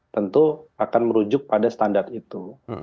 tentu akan merujuk pada standar itu